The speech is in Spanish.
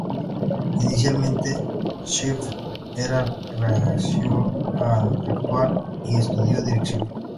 Inicialmente Schiff era reacio a actuar y estudió dirección.